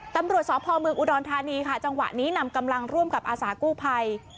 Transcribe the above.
ตำรวจสพเมืองอุดรธานีค่ะจังหวะนี้นำกำลังร่วมกับอาสากู้ภัย